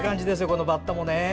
このバッタもね。